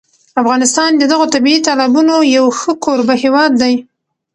افغانستان د دغو طبیعي تالابونو یو ښه کوربه هېواد دی.